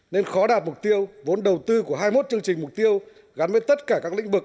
nên khó đạt mục tiêu vốn đầu tư của hai mươi một chương trình mục tiêu gắn với tất cả các lĩnh vực